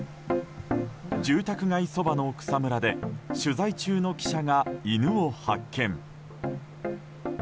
住宅街そばの草むらで取材中の記者が犬を発見。